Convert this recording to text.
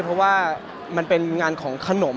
เพราะว่ามันเป็นงานของขนม